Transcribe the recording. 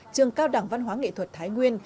trường cao đảng văn hóa nghệ thuật thái nguyên